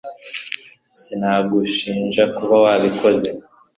sinagushinja kuba wabikoze